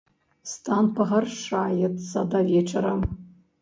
Стан пагаршаецца да вечара.